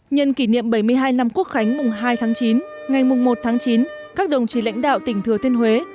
nhân kỷ niệm bảy mươi hai năm quốc khánh mùng hai tháng chín ngày mùng một tháng chín các đồng chí lãnh đạo tỉnh thừa thiên huế